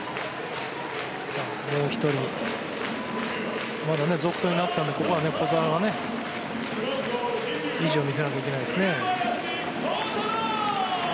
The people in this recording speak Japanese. もう１人まだ続投になったんでここは小澤が意地を見せないといけないですね。